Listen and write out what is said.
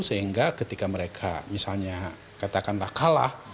sehingga ketika mereka misalnya katakanlah kalah